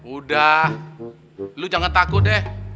udah lu jangan takut deh